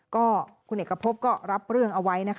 คุณเอกภพก็รับเรื่องเอาไว้